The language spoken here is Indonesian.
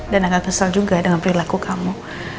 dan agak kesel juga dengan perilaku kamu